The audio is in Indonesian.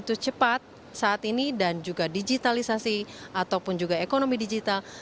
itu cepat saat ini dan juga digitalisasi ataupun juga ekonomi digital